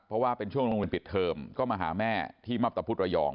เพราะว่าเป็นช่วงโรงเรียนปิดเทอมก็มาหาแม่ที่มับตะพุทธระยอง